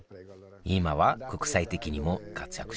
今は国際的にも活躍しているよ